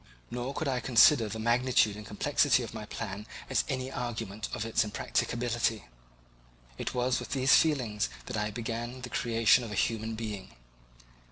Nor could I consider the magnitude and complexity of my plan as any argument of its impracticability. It was with these feelings that I began the creation of a human being.